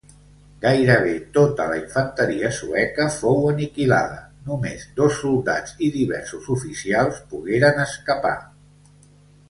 Gairebé tota la infanteria sueca fou aniquilada, només dos soldats i diversos oficials pogueren escapar.